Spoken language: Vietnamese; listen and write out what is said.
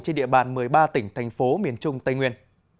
trên địa bàn một mươi ba tỉnh thành phố miền trung tây nguyên